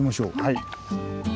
はい。